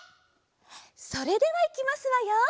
それではいきますわよ。